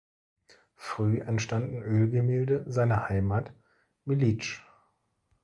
Früh entstanden Ölgemälde seiner Heimat Militsch.